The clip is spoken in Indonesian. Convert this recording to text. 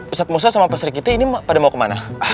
ustaz musa sama pak serik giti ini pada mau kemana